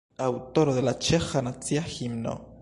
Aŭtoro de la ĉeĥa nacia himno.